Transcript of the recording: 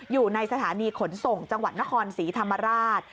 อยู่ในสถานีขนส่งจังหวัดนครศรีธรรมราช